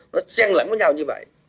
nó xen lẫn với nhau như vậy